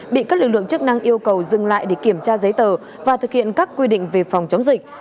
bị các lực lượng chức năng yêu cầu dừng lại để kiểm tra giấy tờ và thực hiện các quy định về phòng chống dịch